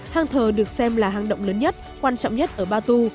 hang thờ được xem là hang động lớn nhất quan trọng nhất ở batu